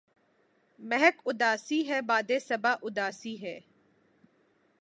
مہک اُداسی ہے، باد ِ صبا اُداسی ہے